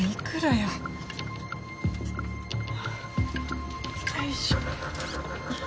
よいしょ。